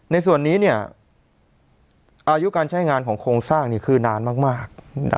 ในส่วนนี้อายุการใช้งานของโครงสร้างคือนานมาก